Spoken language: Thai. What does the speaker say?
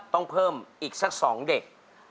ต้องเพิ่มอีกสัก๒เด็ก